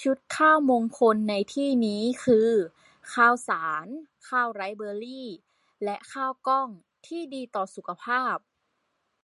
ชุดข้าวมงคลในที่นี้คือ ข้าวสาร ข้าวไรซ์เบอร์รี และข้าวกล้อง ที่ดีต่อสุขภาพ